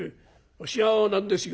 あっしは何ですよ